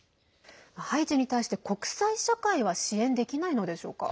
ハイチに対して国際社会は支援できないのでしょうか。